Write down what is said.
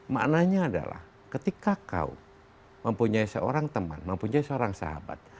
maksudnya ketika anda mempunyai teman atau sahabat